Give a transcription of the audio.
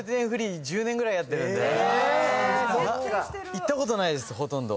行ったことないですほとんど。